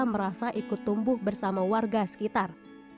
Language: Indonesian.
merasa ikut tumbuh bersama warga sekitar